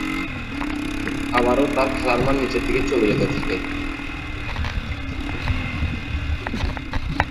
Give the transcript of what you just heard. আবারো তার খেলার মান নিচেরদিকে চলে যেতে থাকে।